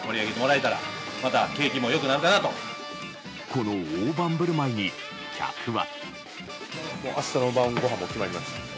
この大盤振る舞いに、客は。